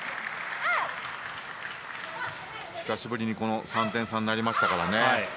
久しぶりに３点差になりましたから。